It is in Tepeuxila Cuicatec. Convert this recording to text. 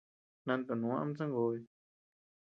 Nantonù ama songubi.